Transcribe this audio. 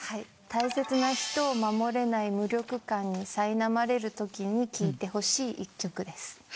大切な人を守れない無力感にさいなまれるときに聴いてほしい一曲です。